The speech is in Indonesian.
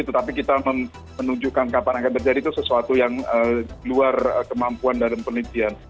tetapi kita menunjukkan kapan akan terjadi itu sesuatu yang luar kemampuan dalam penelitian